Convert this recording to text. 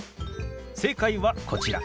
正解はこちら。